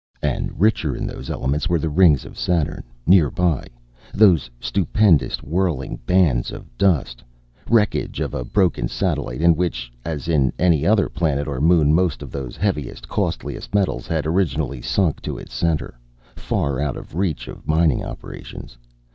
And richer in those elements were the Rings of Saturn, nearby, those stupendous, whirling bands of dust, wreckage of a broken satellite in which, as in any other planet or moon most of those heaviest, costliest metals had originally sunk to its center, far out of reach of mining operations.